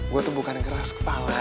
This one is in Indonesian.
gue tuh bukan keras kepala